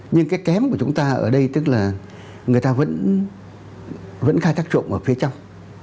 nhưng cái kém của chúng ta ở đây tức là người ta vẫn khai thác trộm ở phía trong